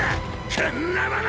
こんなもの！